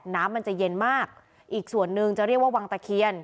น้ำมันจะเย็นมากอีกส่วนหนึ่งจะเรียกว่าวังตะเคียน